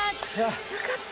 よかった。